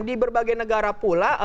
di berbagai negara pula